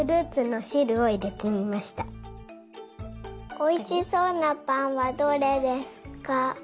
おいしそうなぱんはどれですか？